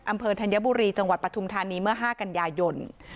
ธัญบุรีจังหวัดปฐุมธานีเมื่อ๕กันยายน